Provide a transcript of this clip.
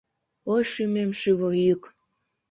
— Ой, шӱмем, шӱвыр йӱк